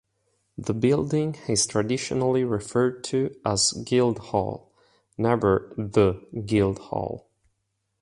The building is traditionally referred to as Guildhall, never "the" Guildhall.